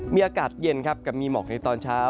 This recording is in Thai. มีอากาศเย็นครับกับมีหมอกในตอนเช้า